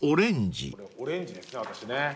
オレンジですね私ね。